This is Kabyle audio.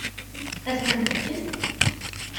Ad s-tent-fken?